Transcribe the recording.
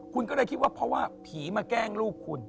คุณก็เลยคิดว่าเพราะว่าผีมาแกล้งลูกคุณ